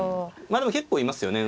まあでも結構いますよね。